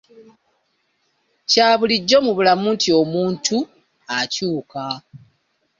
Kya bulijjo mu bulamu nti omuntu akyuka.